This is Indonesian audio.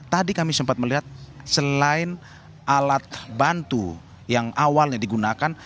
tadi kami sempat melihat selain alat bantu yang awalnya digunakan